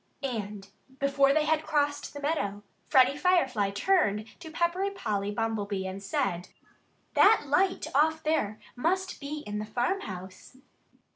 And before they had crossed the meadow Freddie Firefly turned to Peppery Polly Bumblebee and said: "That light off there must be in the farmhouse."